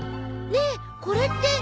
ねえこれって。